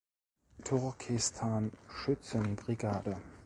Turkestan- Schützenbrigade.